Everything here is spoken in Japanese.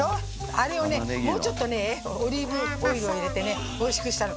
あれをねもうちょっとねオリーブオイルを入れてねおいしくしたの。